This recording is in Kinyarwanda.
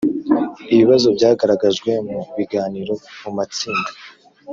Ibibazo byagaragajwe mu biganiro mu matsinda